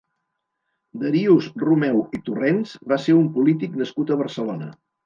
Darius Rumeu i Torrents va ser un polític nascut a Barcelona.